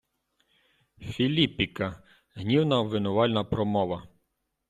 Філіппіка — гнівна обвинувальна промова